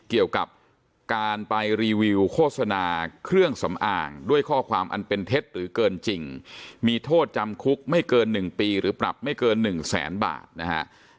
เกี่ยวกับการไปรีวิวโฆษณาเครื่องสำอางด้วยข้อความอันเป็นเท็จหรือเกินจริงมีโทษจำคุกไม่เกิน๑ปีหรือปรับไม่เกิน๑แสนบาทนะฮะ